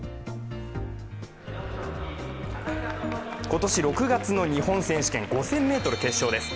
今年６月の日本選手権５０００ｍ決勝です。